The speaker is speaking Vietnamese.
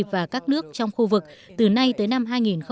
và các nước trong khu vực từ nay tới năm hai nghìn ba mươi